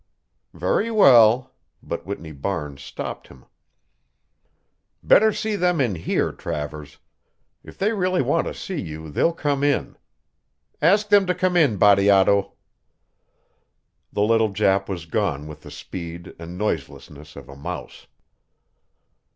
"Very well," but Whitney Barnes stopped him. "Better see them in here, Travers. If they really want to see you they'll come in. Ask them to come in, Bateato." The little Jap was gone with the speed and noiselessness of a mouse.